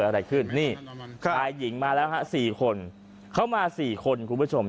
หายหญิงมาแล้วครับ๔คนเข้ามา๔คนคุณผู้ชม